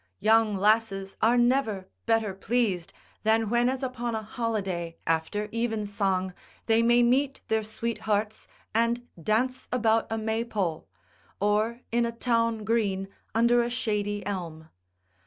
Young lasses are never better pleased than when as upon a holiday, after evensong, they may meet their sweethearts, and dance about a maypole, or in a town green under a shady elm.